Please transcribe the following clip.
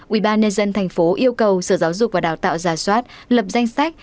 ủy ban nhân dân tp hcm yêu cầu sở giáo dục và đào tạo ra soát lập danh sách